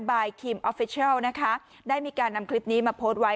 บายคิมออฟฟิเชิลนะคะได้มีการนำคลิปนี้มาโพสต์ไว้